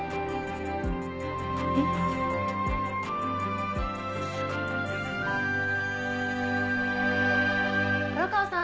えっ？・黒川さん